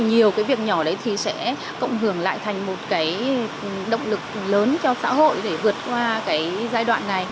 nhiều việc nhỏ sẽ cộng hưởng lại thành một động lực lớn cho xã hội để vượt qua giai đoạn này